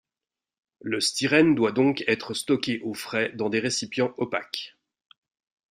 Le styrène doit donc être stocké au frais dans des récipients opaques.